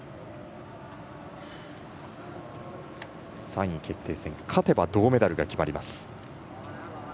３位決定戦勝てば銅メダルが決まります。